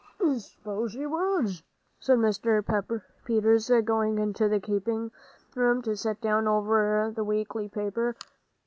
"S'pose he was," said Mr. Peters, going into the keeping room to sit down over the weekly paper.